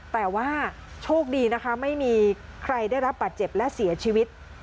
แต่ว่าโชคดีนะคะไม่มีใครได้รับบาดเจ็บและเสียชีวิต